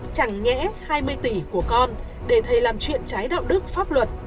chẳng nghẽ hai mươi tỷ của con để thầy làm chuyện trái đạo đức pháp luật